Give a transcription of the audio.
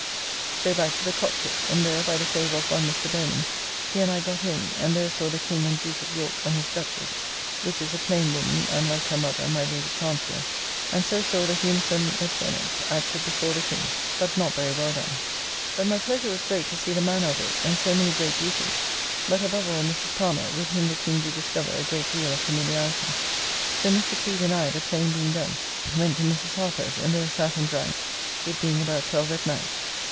So back to the Cockpitt, and there, by the favour of one Mr. Bowman, he and I got in, and there saw the King and Duke of York and his Duchess (which is a plain woman, and like her mother, my Lady Chancellor). And so saw "The Humersome Lieutenant" acted before the King, but not very well done. But my pleasure was great to see the manner of it, and so many great beauties, but above all Mrs. Palmer, with whom the King do discover a great deal of familiarity. So Mr. Creed and I (the play being done) went to Mrs. Harper's, and there sat and drank, it being about twelve at night.